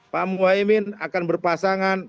pak muhyiddin akan berpasangan